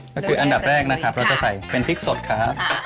ก็คืออันดับแรกนะครับเราจะใส่เป็นพริกสดครับ